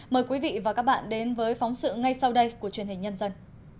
mời quý vị và các bạn đến với phóng sự ngay sau đây của truyền hình nhân dân